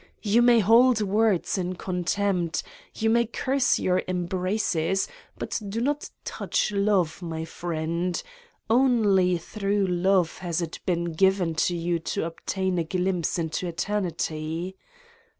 You may hold words in contempt, you may curse your em braces, but do not touch Love, my friend: only through love has it been given to you to obtain a glimpse into Eternity